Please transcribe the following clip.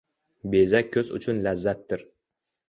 Bezak ko‘z uchun lazzatdir.